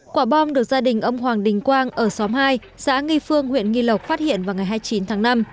quả bom được gia đình ông hoàng đình quang ở xóm hai xã nghi phương huyện nghi lộc phát hiện vào ngày hai mươi chín tháng năm